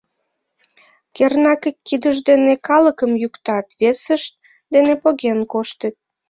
— Кернак, ик кидышт дене калыкым йӱктат, весышт дене поген коштыт.